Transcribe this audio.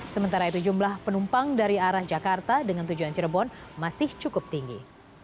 sementara itu jumlah penumpang dari arah jakarta dengan tujuan cirebon masih cukup tinggi